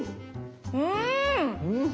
うん！